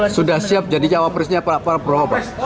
sudah siap jadi jawab resmi pak prabowo pak